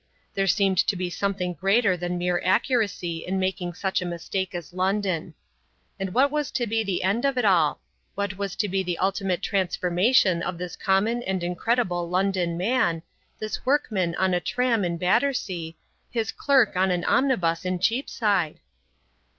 There seemed to be something greater than mere accuracy in making such a mistake as London. And what was to be the end of it all? what was to be the ultimate transformation of this common and incredible London man, this workman on a tram in Battersea, his clerk on an omnibus in Cheapside?